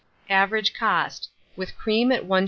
Average cost, with cream at 1s.